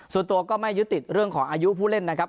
ส่วนตัวก็ไม่ยึดติดเรื่องของอายุผู้เล่นนะครับ